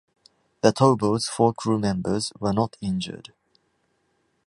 The towboat's four crew members were not injured.